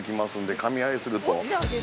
かみ合いすると。